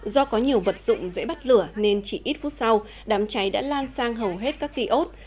do có nhiều vật dụng dễ bắt lửa nên chỉ ít phút sau đám cháy đã lan sang hầu hết các kiosk